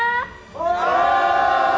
お！